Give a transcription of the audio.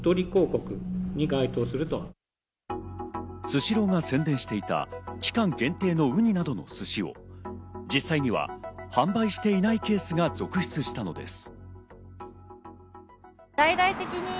スシローが宣伝していた期間限定のウニなどの寿司を実際に販売していないケースが続出したのです。